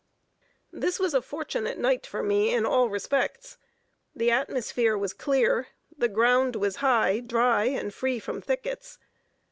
This was a fortunate night for me in all respects. The atmosphere was clear, the ground was high, dry, and free from thickets.